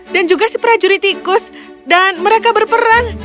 dan juga si prajurit tikus dan mereka berperang